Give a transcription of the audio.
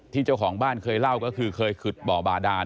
เจ้าของบ้านเคยเล่าก็คือเคยขุดบ่อบาดาน